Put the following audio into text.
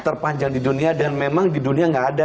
terpanjang di dunia dan memang di dunia nggak ada